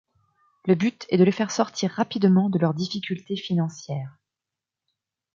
Le but est de les faire sortir rapidement de leurs difficultés financières.